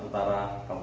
luar dengan pakai